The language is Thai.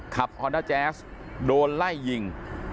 ขับออนทาแจ๊คสโดนไล่ยิง